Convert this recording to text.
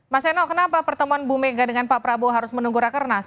mas eno kenapa pertemuan ibu mega dengan pak prabowo harus menunggu rakernas